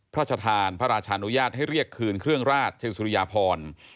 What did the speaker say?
พระราชทานพระราชานุญาตให้เรียกคืนเครื่องราชเชิงสุริยพร